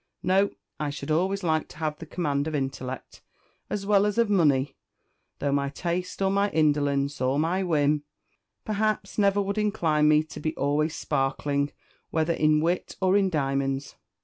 No! I should always like to have the command of intellect, as well as of money, though my taste, or my indolence, or my whim, perhaps, never would incline me to be always sparkling, whether in wit or in diamonds.